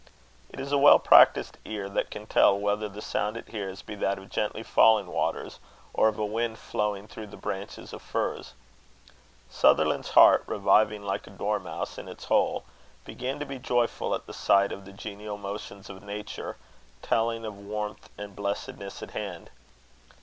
It is a well practised ear that can tell whether the sound it hears be that of gently falling waters, or of wind flowing through the branches of firs. Sutherland's heart, reviving like a dormouse in its hole, began to be joyful at the sight of the genial motions of Nature, telling of warmth and blessedness at hand.